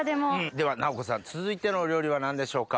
では尚子さん続いてのお料理は何でしょうか？